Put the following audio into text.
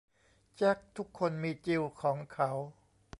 แจ็คทุกคนมีจิลของเขา